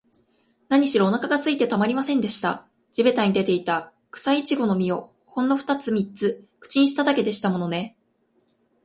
なにしろ、おなかがすいてたまりませんでした。地びたに出ていた、くさいちごの実を、ほんのふたつ三つ口にしただけでしたものね。